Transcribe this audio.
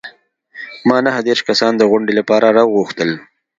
ما نهه دیرش کسان د غونډې لپاره راوغوښتل.